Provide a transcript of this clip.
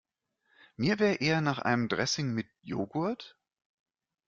Mir wäre eher nach einem Dressing mit Joghurt.